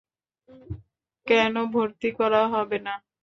কেনো ভর্তি করা হবে না?